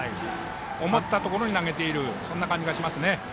思ったところに投げているそんな感じがしますね。